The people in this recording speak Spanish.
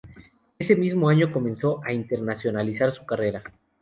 Ese mismo año comenzó a internacionalizar su carrera.